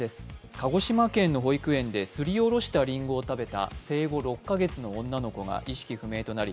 鹿児島県の保育園ですりおろしたりんごを食べた生後６か月の女の子が意識不明となり、